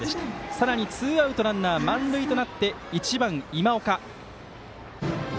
さらにツーアウトランナー満塁となって１番、今岡。